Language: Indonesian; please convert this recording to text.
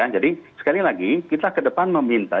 jadi sekali lagi kita ke depan meminta